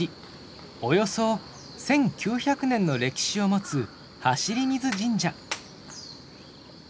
およそ１，９００年の歴史を持つ走水神社。